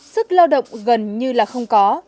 sức lao động gần như là không có